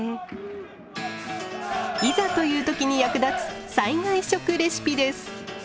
いざという時に役立つ「災害食レシピ」です。